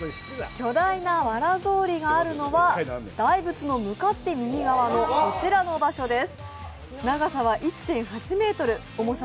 巨大なわらぞうりがあるのが大仏の向かって右側のこちらの場所です。